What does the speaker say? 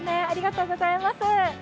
ありがとうございます。